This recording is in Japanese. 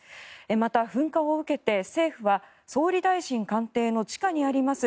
また、噴火を受けて政府は総理大臣官邸の地下にあります